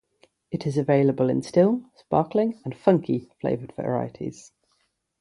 It is available in still, sparkling, and "funky"-flavoured varieties.